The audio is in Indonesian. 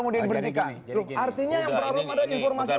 artinya yang berharap ada informasi yang tidak benar